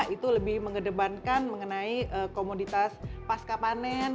itu lebih mengedepankan mengenai komoditas pasca panen